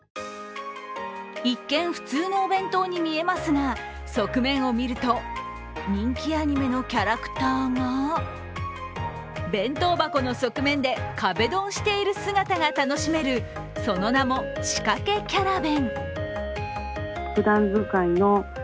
一見普通のお弁当に見えますが側面を見ると人気アニメのキャラクターが弁当箱の側面で壁ドンしている姿が楽しめるその名も仕掛けキャラ弁。